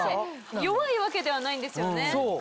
弱いわけではないんですよね。